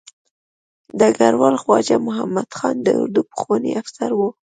ډګروال خواجه محمد خان د اردو پخوانی افسر و.